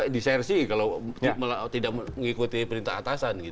di csrc kalau tidak mengikuti perintah atasan